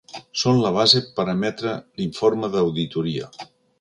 Són la base per emetre l'informe d'auditoria.